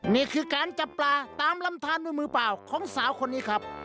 นี่คือการจับปลาตามลำทานด้วยมือเปล่าของสาวคนนี้ครับ